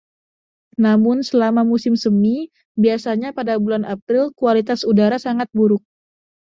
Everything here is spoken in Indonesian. Namun, selama Musim Semi, biasanya pada bulan April, kualitas udara sangat buruk.